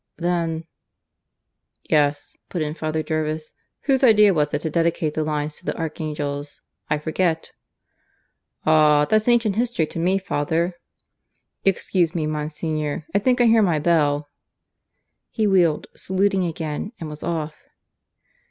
"Then " "Yes," put in Father Jervis. "Whose idea was it to dedicate the lines to the archangels? I forget." "Ah! that's ancient history to me, father. ... Excuse me, Monsignor; I think I hear my bell." he wheeled, saluting again, and was off.